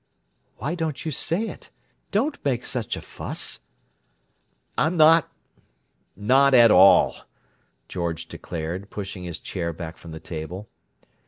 "Why don't you say it? Don't make such a fuss." "I'm not—not at all," George declared, pushing his chair back from the table.